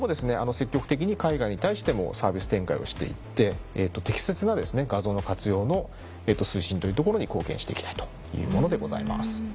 積極的に海外に対してもサービス展開をしていって適切な画像の活用の推進というところに貢献していきたいというものでございます。